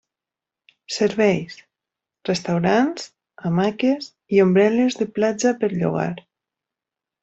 Serveis; Restaurants, hamaques i ombrel·les de platja per llogar.